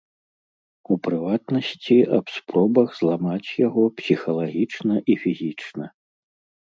У прыватнасці, аб спробах зламаць яго псіхалагічна і фізічна.